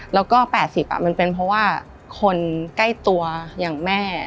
แล้วก็๘๐มันเป็นเพราะว่าคนใกล้ตัวอย่างแม่